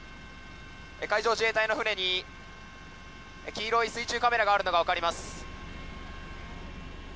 海上自衛隊の船に黄色い水中カメラがあるのがわかります。